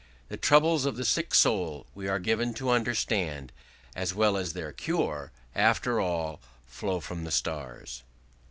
The troubles of the sick soul, we are given to understand, as well as their cure, after all flow from the stars.